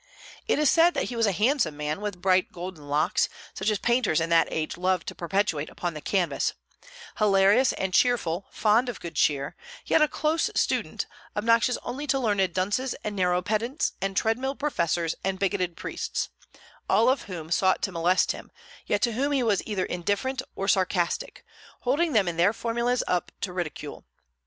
It is said that he was a handsome man, with bright golden locks, such as painters in that age loved to perpetuate upon the canvas; hilarious and cheerful, fond of good cheer, yet a close student, obnoxious only to learned dunces and narrow pedants and treadmill professors and bigoted priests, all of whom sought to molest him, yet to whom he was either indifferent or sarcastic, holding them and their formulas up to ridicule.